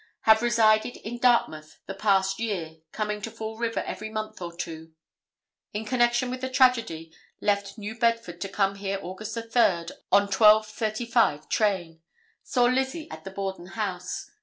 Have resided in Dartmouth the past year, coming to Fall River every month or two. In connection with the tragedy, left New Bedford to come here August 3 on 12:35 train. Saw Lizzie at the Borden house.